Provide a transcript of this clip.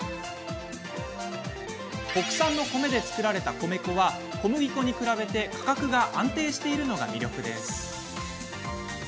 国産の米で作られた米粉は小麦粉に比べて価格が安定しているのが魅力です。